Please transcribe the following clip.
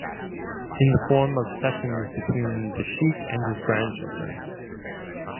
In the form of sessions between the Sheikh and his grandchildren.